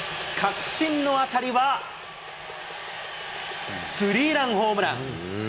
くしんの当たりは、スリーランホームラン。